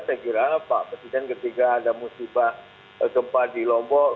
saya kira pak presiden ketika ada musibah gempa di lombok